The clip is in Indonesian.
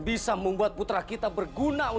dosa deh sudah tahu kan